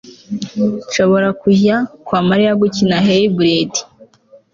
Nshobora kujya kwa Mariya gukina Hybrid